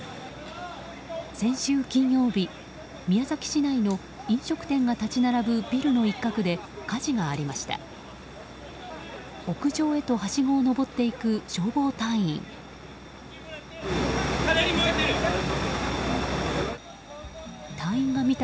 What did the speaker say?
先週金曜日、宮崎市内の飲食店が立ち並ぶビルの一角で火事がありました。